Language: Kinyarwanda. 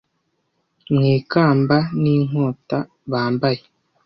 Mu ikamba n'inkota bambaye !